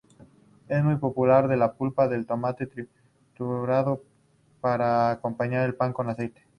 Es muy popular la pulpa de tomate triturado para acompañar al pan con aceite.